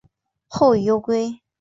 后以忧归。